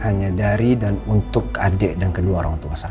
hanya dari dan untuk adik dan kedua orang tua saya